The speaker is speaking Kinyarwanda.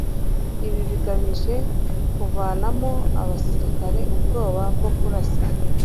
Ibi bigamije kuvanamo abasirikare ubwoba bwo kurasa,